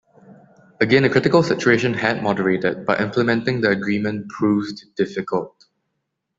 Again a critical situation had moderated, but implementing the agreement proved difficult.